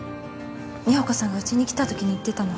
美保子さんがうちに来たときに言ってたの。